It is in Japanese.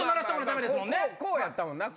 こうやったもんな。